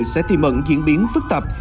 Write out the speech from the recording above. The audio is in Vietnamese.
sẽ thì mận diễn biến phức tạp